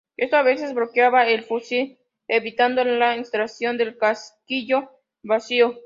Esto a veces bloqueaba el fusil, evitando la extracción del casquillo vacío.